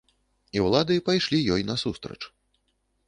І ўлады пайшлі ёй насустрач.